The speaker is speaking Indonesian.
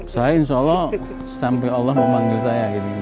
saya insya allah sampai allah memanggil saya